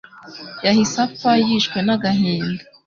yahise apfa yishwe n'agahinda.